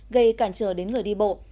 gây cản trở đến người đi bộ